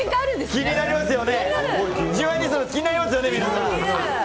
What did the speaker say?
気になりますよね、皆さん。